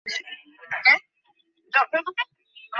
সন্দেহ নেই, ওই সময়ের আইনশৃঙ্খলা ব্যবস্থা একরকম ভন্ডুল হয়ে গিয়েছিল।